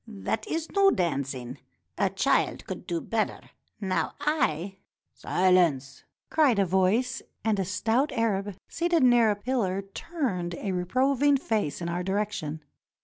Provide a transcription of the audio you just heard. That is no dancing. A child could do better. Now I —" "Silence! " cried a voice, and a stout Arab seated near a pillar turned a reproving face in our direction.